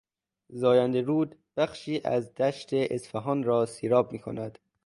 زاینده رود بخشی از دشت اصفهان را سیراب میکند.